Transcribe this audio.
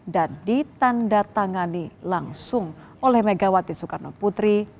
dan ditanda tangani langsung oleh megawati soekarno putri